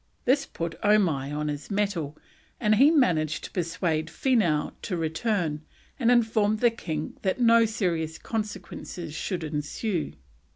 This put Omai on his mettle, and he managed to persuade Feenough to return, and informed the king that no serious consequences should ensue.